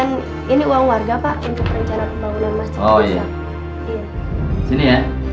sini ya iya pak disitu